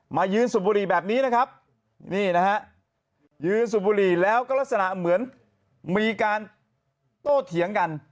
มายืนสูบบุหรี่แบบนี้นะครับนี่นะฮะยืนสูบบุหรี่แล้วก็ลักษณะเหมือนมีการโตเถียงกัน